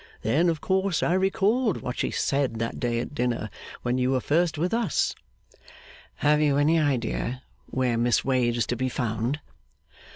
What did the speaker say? Then, of course, I recalled what she said that day at dinner when you were first with us.' 'Have you any idea where Miss Wade is to be found?